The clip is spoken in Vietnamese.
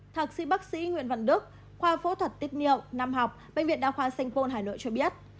thạc sĩ bác sĩ nguyễn văn đức khoa phẫu thuật tiết niệm nam học bệnh viện đa khoa sành phôn hà nội cho biết